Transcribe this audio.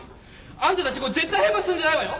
あんたたち絶対ヘマすんじゃないわよ！